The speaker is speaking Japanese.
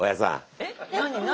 えっ何？